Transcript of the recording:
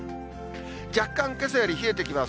若干、けさより冷えてきます。